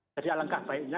jadi alangkah baiknya